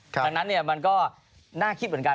ดังนั้นมันก็น่าคิดเหมือนกัน